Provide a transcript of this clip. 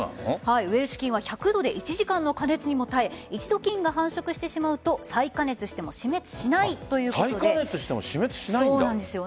ウエルシュ菌は１００度で１時間の加熱にも耐え一度、菌が繁殖してしまうと再加熱しても再加熱しても死滅しないんですか？